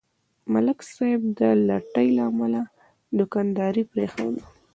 ملک صاحب د لټۍ له امله دوکانداري پرېښوده.